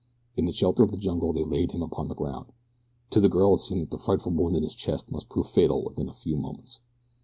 In the shelter of the jungle they laid him upon the ground. To the girl it seemed that the frightful wound in his chest must prove fatal within a few moments.